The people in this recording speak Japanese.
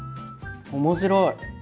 面白い！